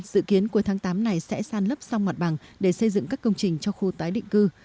dự kiến cuối tháng tám này sẽ san lấp xong mặt bằng để xây dựng các công trình cho khu tái định cư